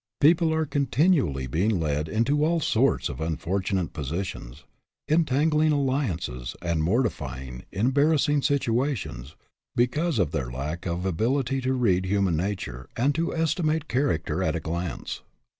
People are continually being led into all sorts of unfortunate positions, entangling al liances, and mortifying, embarrassing situa tions because of their lack of ability to read human nature and to estimate character at a glance.